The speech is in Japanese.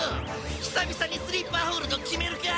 久々にスリーパーホールド決めるか！